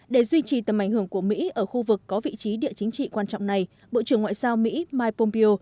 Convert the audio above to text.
để duy trì tầm ảnh hưởng của mỹ ở khu vực có vị trí địa chính trị quan trọng này bộ trưởng ngoại giao mỹ mike pompeo